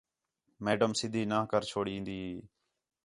میڈم سدھی نہ کر چُھڑین٘دی ہی